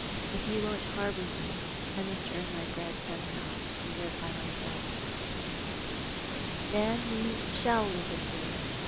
If yon won't harbour me I must earn my bread somehow, and live by myself," " Then you shall live with me.